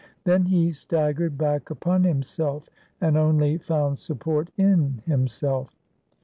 Then he staggered back upon himself, and only found support in himself.